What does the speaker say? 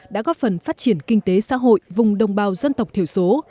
đã góp phần phát triển kinh tế xã hội vùng đồng bào dân tộc thiểu số